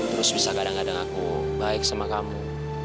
terus bisa kadang kadang aku baik sama kamu